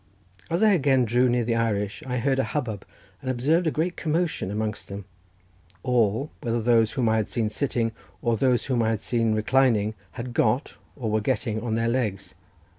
As I again drew near the Irish, I heard a hubbub, and observed a great commotion amongst them. All, whether those whom I had seen sitting, or those whom I had seen reclining, had got, or were getting, on their legs.